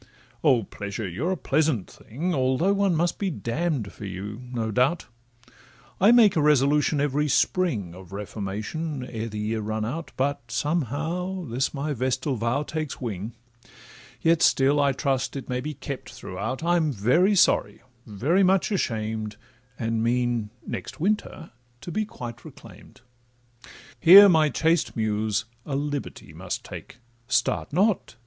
O Pleasure! you are indeed a pleasant thing, Although one must be damn'd for you, no doubt: I make a resolution every spring Of reformation, ere the year run out, But somehow, this my vestal vow takes wing, Yet still, I trust it may be kept throughout: I'm very sorry, very much ashamed, And mean, next winter, to be quite reclaim'd. Here my chaste Muse a liberty must take— Start not!